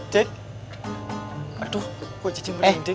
dik aduh gua cincin beneran dik